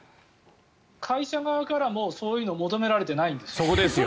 会社側からもそういうのを求められてないんですよ。